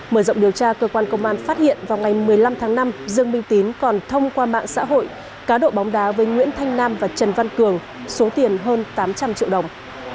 mở rộng điều tra cơ quan công an phát hiện vào ngày một mươi năm tháng năm dương minh tín còn thông qua mạng xã hội cá độ bóng đá với nguyễn thanh nam và trần văn cường số tiền hơn tám trăm linh triệu đồng